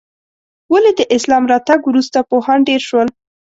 ولې د اسلام راتګ وروسته پوهان ډېر شول؟